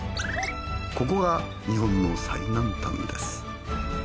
ここが日本の最南端です。